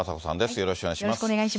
よろしくお願いします。